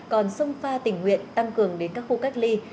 còn sông pha tình nguyện tăng cường đến các khu cách ly